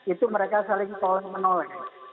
itu mereka saling menolong